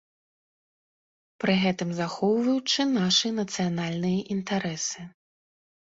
Пры гэтым захоўваючы нашы нацыянальныя інтарэсы.